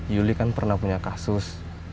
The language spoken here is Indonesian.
yuli kan pernah punya kasus